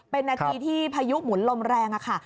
เป็นนาทีที่พายุหมุนลมแรงค่ะ